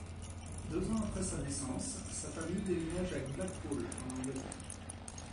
Deux ans après sa naissance, sa famille déménage à Blackpool en Angleterre.